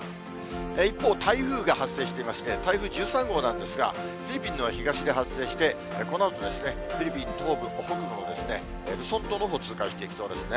一方、台風が発生していまして、台風１３号なんですが、フィリピンの東で発生して、このあとフィリピン東部、北部を、ルソン島のほうを通過していきそうなんですね。